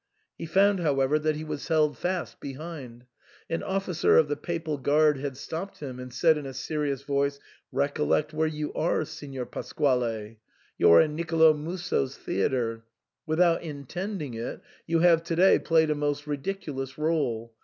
He found, however, that he was held fast behind. An ofl&cer of the Papal guard had stopped him, and said in a serious voice, " Recollect where you are, Signor Pasquale ; you are in Nicolo Musso's theatre. Without intending it, you have to day played a most ridiculous r6le.